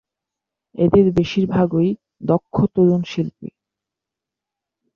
এদের বেশিরভাগই দক্ষ তরুণ শিল্পী।